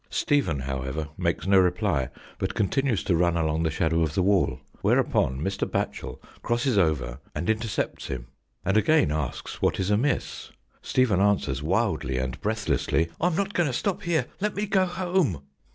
Stephen, however, makes no reply but continues to run along the shadow of the wall, whereupon Mr. Batchel crosses over and intercepts him, and again asks what is amiss. Stephen answers wildly and breathlessly, " I'm not going to stop here, let me go home."